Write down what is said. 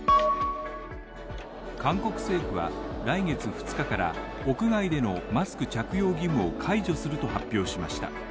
韓国政府は来月２日から屋外でのマスク着用義務を解除すると発表しました。